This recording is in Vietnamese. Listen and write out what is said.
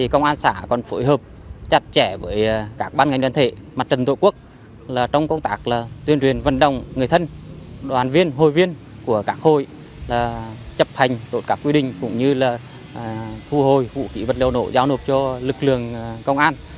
công an xã còn phối hợp chặt chẽ với các ban ngành đơn thể mặt trần tội quốc trong công tác tuyên truyền vận đồng người thân đoàn viên hội viên của các hội chấp hành tốt các quy định cũng như thu hồi vũ khí vật liệu nổ giao nộp cho lực lượng công an